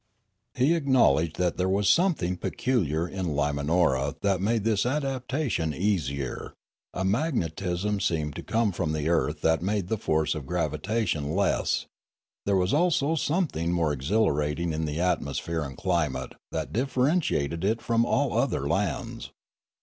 He acknowledged that there was something peculiar in Limanora that made this adaptation easier; a mag netism seemed to come from the earth that made the force of gravitation less; there was also something more exhilarating in the atmosphere and climate that differentiated it from all other lands.